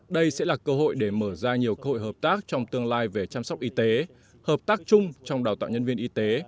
đây sẽ là cơ hội để mở ra nhiều cơ hội hợp tác trong tương lai về chăm sóc y tế hợp tác chung trong đào tạo nhân viên y tế